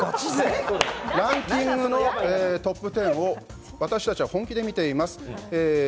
ランキングのトップ１０を、私たちは本気で見ています。